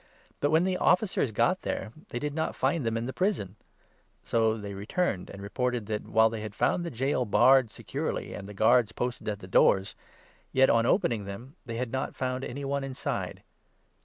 But, when the' officers got there, they 22 did not find them in the prison ; so they returned and re ported that, while they had found the gaol barred securely 23 and the guards posted at the doors, yet, on opening them, they had not found any one inside.